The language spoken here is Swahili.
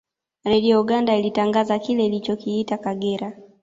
Redio Uganda ilitangaza kile ilichokiita Kagera